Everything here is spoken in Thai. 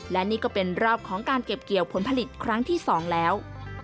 และนี่ก็เป็นรอบของการเก็บเกี่ยวผลผลิตครั้งที่๒แล้ว